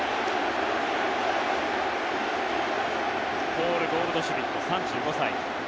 ポール・ゴールドシュミット３５歳。